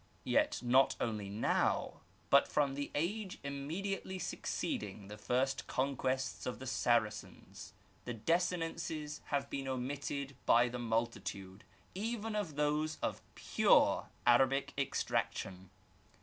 Yet not only now, but from the age immediately succeeding the first conquests of the Saracens, the desinences have been omitted by the multitude even of those of pure Arab extraction.